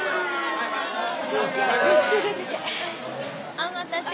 お待たせ！